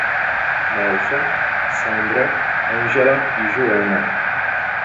Nélson, Sandra, Ângela e Joana